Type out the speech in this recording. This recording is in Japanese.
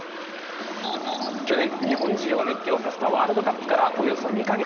去年、日本中を熱狂させたワールドカップからよそ２か月。